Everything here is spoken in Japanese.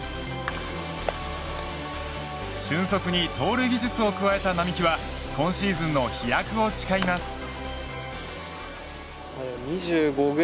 俊足に盗塁技術を加えた並木は今シーズンの飛躍を誓います。